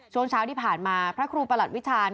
ช่วงเช้าที่ผ่านมาพระครูประหลัดวิชาณ